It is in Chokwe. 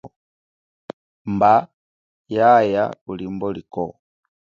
Mba, yaaya kulimbo likwo.